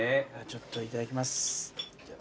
ちょっといただきます。